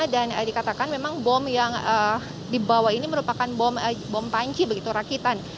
dan dikatakan memang bom yang dibawa ini merupakan bom panci begitu rakitan